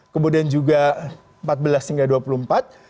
kemudian juga empat belas hingga dua puluh empat